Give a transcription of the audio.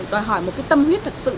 đòi hỏi một cái tâm huyết thật sự